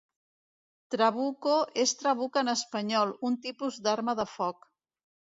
Trabuco és trabuc en espanyol, un tipus d'arma de foc.